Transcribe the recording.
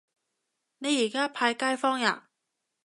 你而家派街坊呀